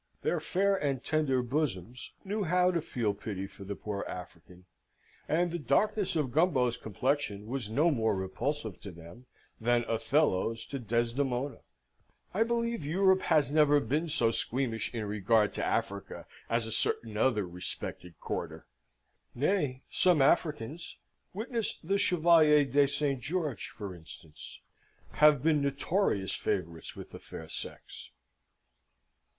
Their fair and tender bosoms knew how to feel pity for the poor African, and the darkness of Gumbo's complexion was no more repulsive to them than Othello's to Desdemona. I believe Europe has never been so squeamish in regard to Africa, as a certain other respected Quarter. Nay, some Africans witness the Chevalier de St. Georges, for instance have been notorious favourites with the fair sex.